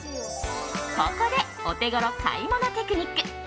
ここでオテゴロ買い物テクニック。